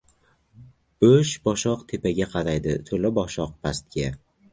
• Bo‘sh boshoq tepaga qaraydi, to‘la boshoq — pastga.